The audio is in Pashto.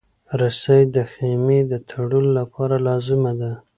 رسۍ د خېمې د تړلو لپاره لازمه ده.